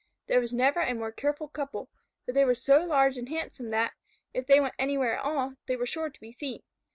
There was never a more careful couple, but they were so large and handsome that, if they went anywhere at all, they were sure to be seen.